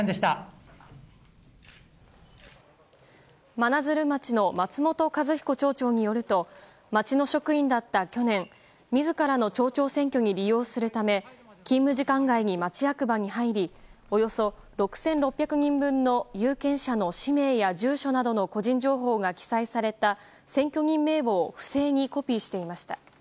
真鶴町の松本一彦町長によると町の職員だった去年自らの町長選挙に利用するため、勤務時間外に町役場に入りおよそ６６００人分の有権者の氏名や住所などの個人情報が記載された選挙人名簿を不正にコピーしていました。